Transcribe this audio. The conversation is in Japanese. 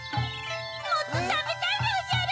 もっとたべたいでおじゃる！